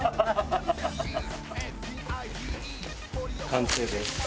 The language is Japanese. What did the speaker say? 完成です。